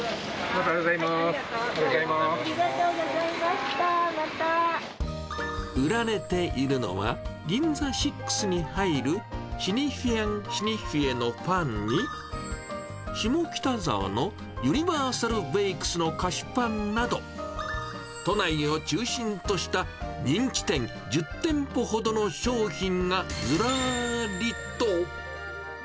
ありがとうございました、売られているのは、ギンザシックスに入るシニフィアン・シニフィエのパンに、下北沢のユニバーサルベイクスの菓子パンなど、都内を中心とした人気店１０店舗ほどの商品がずらーりと。